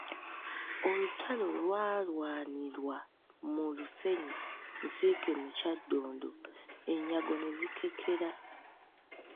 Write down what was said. Olutalo lwalwanirwa mu lusenyi Nsiike mu Kyaddondo, ennyago ne zikekera.